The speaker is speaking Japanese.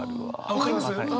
分かります？